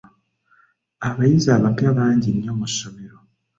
Abayizi abapya bangi nnyo mu ssomero.